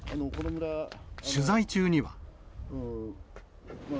取材中には。